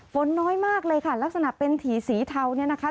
ฝนน้อยมากเลยค่ะลักษณะเป็นถี่สีเทาเนี่ยนะคะ